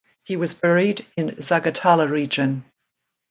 He was buried in Zagatala region.